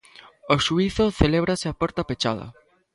O xuízo celébrase a porta pechada.